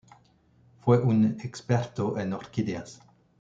Fue un experto en orquídeas.